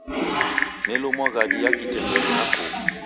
Nelumwa ghadi ya kitemberu na kughu.